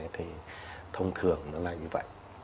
thì thông thường nó là như vậy